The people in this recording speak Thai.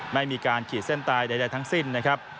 ไม่มีการขีดเส้นตายใดทั้งสิ้นนะครับ